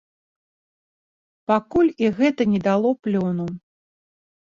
Пакуль і гэта не дало плёну.